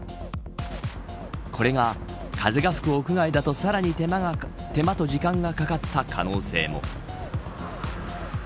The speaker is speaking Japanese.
これが風が吹く屋外だとさらに手間と時間がかかった可能性も。